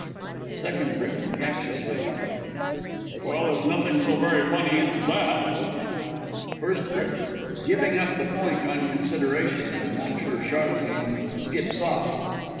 SECOND B. (captiously). Well, there's nothing so very funny in that! FIRST B. (giving up the point on consideration, as M. CHARLEMAGNE skips off).